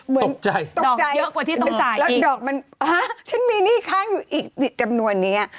ตกใจตกใจเยอะกว่าที่ต้องจ่ายแล้วดอกมันฮะฉันมีหนี้ค้างอยู่อีกจำนวนนี้